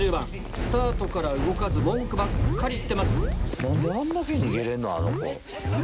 スタートから動かず文句ばっかり言ってます。